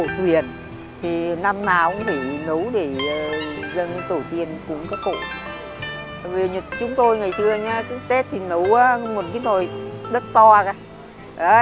chúng tôi ngày trưa nhá tết thì nấu một cái nồi đất to cả